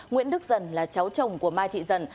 nguyễn đức dần là cháu chồng của mai thị dần